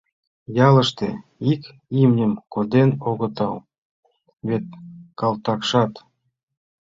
Яллаште ик имньым коден огыдал вет, калтакшат...